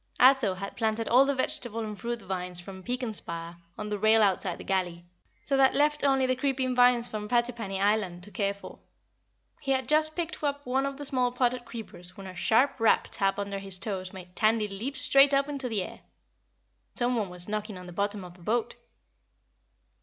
Ato had planted all the vegetable and fruit vines from Peakenspire on the rail outside the galley, so that left only the creeping vines from Patrippany Island to care for. He had just picked up one of the small potted creepers when a sharp rap tap under his toes made Tandy leap straight up in the air. Someone was knocking on the bottom of the boat.